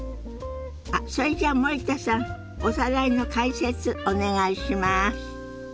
あっそれじゃあ森田さんおさらいの解説お願いします。